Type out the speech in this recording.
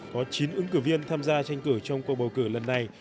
có chín ứng cử viên tham gia tranh cử trong cuộc bầu cử lần này